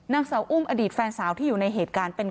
นางสาวอุ้มอดีตแฟนสาวที่อยู่ในเหตุการณ์เป็น